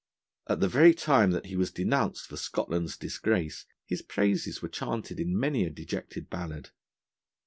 At the very time that he was denounced for Scotland's disgrace, his praises were chanted in many a dejected ballad.